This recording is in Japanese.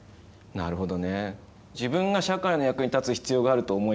なるほど。